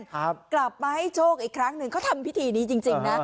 กลับมาให้โชคอีกครั้งหนึ่งเขาทำพิธีนี้จริงจริงนะ